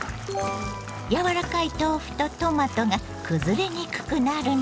やわらかい豆腐とトマトがくずれにくくなるの。